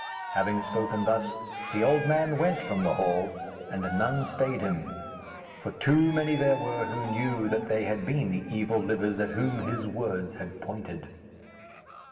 Having spoken thus, the old man went from the hall, and none stayed him; for too many there were who knew that they had been the evil livers at whom his words had pointed.